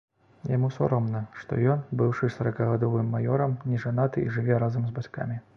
Яму сорамна, што ён, быўшы саракагадовым маёрам, не жанаты і жыве разам з бацькамі.